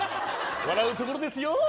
笑うところですよ。